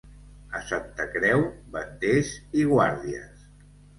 A Santa Creu, venters i guàrdies.